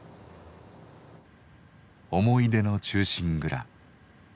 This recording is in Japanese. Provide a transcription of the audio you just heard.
思い出の「忠臣蔵」。